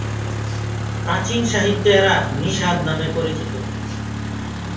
প্রাচীন সাহিত্যে এরা নিষাদ নামে পরিচিত।